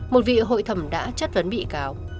một vị hội thẩm đã chất vấn bị cáo